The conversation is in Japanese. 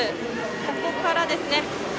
ここからですね。